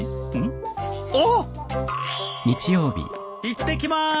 いってきます。